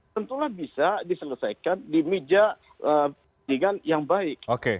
tentulah bisa diselesaikan di meja dengan yang baik